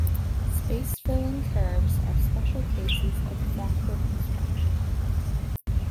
Space-filling curves are special cases of fractal constructions.